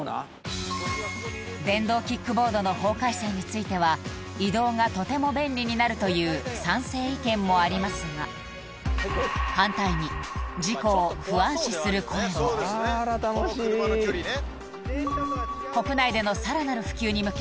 電動キックボードの法改正については移動がとても便利になるという賛成意見もありますが反対に事故を不安視する声も今さ。